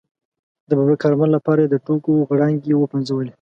د ببرک کارمل لپاره یې د ټوکو غړانګې وپنځولې.